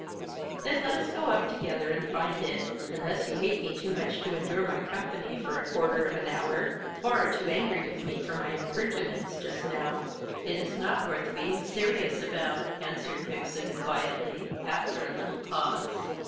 "Then let us go up together and find it unless you hate me too much to endure my company for a quarter of an hour or are too angry with me for my impertinence just now." "It is not worth being serious about," answered Vixen quietly, after a little pause.